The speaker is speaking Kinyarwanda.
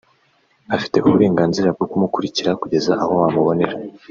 ufite uburenganzira bwo kumukurikira kugeza aho wamubonera